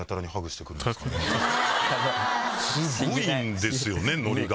スゴいんですよねノリが。